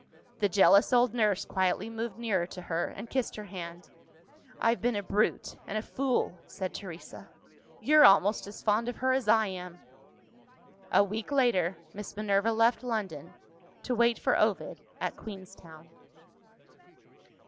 The jealous old nurse quietly moved nearer to her, and kissed her hand. "I've been a brute and a fool," said Teresa; "you're almost as fond of her as I am." A week later, Miss Minerva left London, to wait for Ovid at Queenstown.